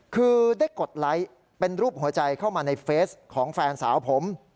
คือได้กดไลค์เป็นรูปหัวใจเข้ามาในเฟสของแฟนสาวผม